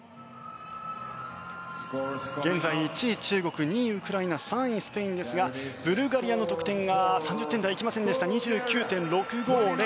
現在１位、中国２位、ウクライナ３位、スペインですがブルガリアの得点が３０点台行きませんでした。２９．６５０。